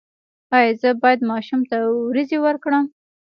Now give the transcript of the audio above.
ایا زه باید ماشوم ته وریجې ورکړم؟